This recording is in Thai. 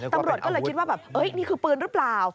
ตำรวจก็เลยคิดว่าแบบนี่คือปืนหรือเปล่า